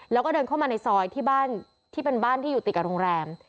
แล้วก็เดินเข้ามาในซอยที่บ้านที่เป็นบ้านที่อยู่ติดกับโรงแรม